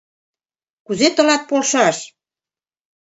Кузе тылат полшаш?